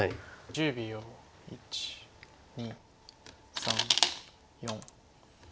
１２３４。